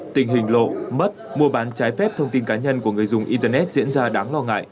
tình hình lộ mất mua bán trái phép thông tin cá nhân của người dùng internet diễn ra đáng lo ngại